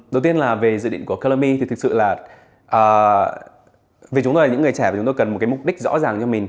đầu tiên là về dự định của clomy thì thực sự là vì chúng tôi là những người trẻ thì chúng tôi cần một cái mục đích rõ ràng cho mình